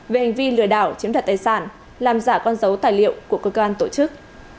về hành vi lừa đảo chiếm đặt tài sản làm giả con dấu tài liệu của cơ quan tổ chức